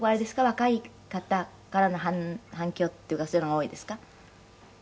若い方からの反響っていうかそういうのが多いですか？